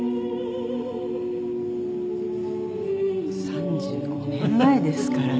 ３５年前ですからね。